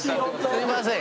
すいません！